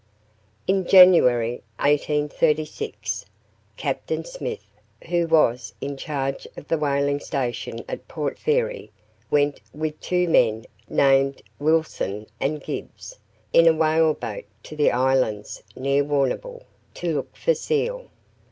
In January, 1836, Captain Smith, who was in charge of the whaling station at Port Fairy, went with two men, named Wilson and Gibbs, in a whale boat to the islands near Warrnambool, to look for seal.